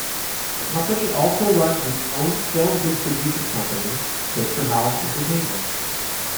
The company also runs its own film distribution company, Picturehouse Entertainment.